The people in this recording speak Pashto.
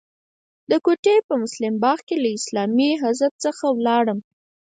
د کوټې په مسلم باغ کې له اسلامي حزب څخه ولاړم.